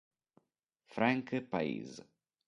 Frank País